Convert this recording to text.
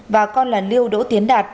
và con là liêu đỗ tiến đạt